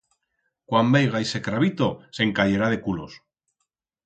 Cuan veiga ixe crabito se'n cayerá de culos.